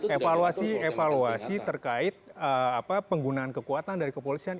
evaluasi evaluasi terkait penggunaan kekuatan dari kepolisian